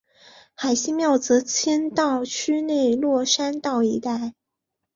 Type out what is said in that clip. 海心庙则迁到区内落山道一带。